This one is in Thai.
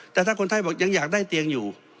แต่ถ้าคนไทยบอกยังอยากได้เตียงอยู่